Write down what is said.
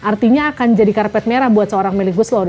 artinya akan jadi karpet merah buat seorang meli guslo